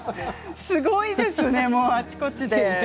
すごいですね、あちこちで。